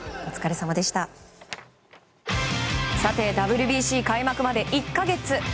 さて、ＷＢＣ開幕まで１か月。